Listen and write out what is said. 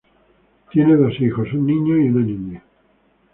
Tiene dos hijos, un niño y una niña.